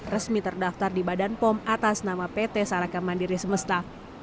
resmi terdaftar di badan pom atas nama pt saraka mandiri semesta